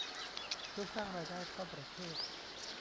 เพื่อสร้างรายได้เข้าประเทศ